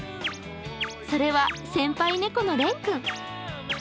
それは先輩猫のレン君。